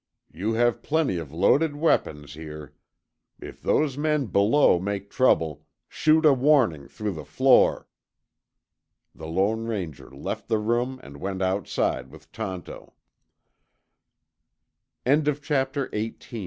You have plenty of loaded weapons here. If those men below make trouble, shoot a warning through the floor." The Lone Ranger left the room and went outside with Tonto. Chapter XIX ANNOUNCEMENT EXTRAORDINARY Tonto wa